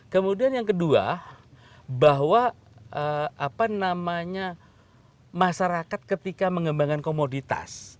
kemudian yang kedua bahwa masyarakat ketika mengembangkan komoditas